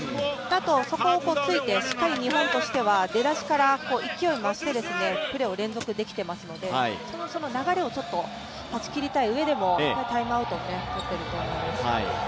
そこを突いてしっかり日本としては出だしから勢いを増してプレーを連続しているので、その流れを断ち切りたいうえでも、タイムアウトを取っていると思います。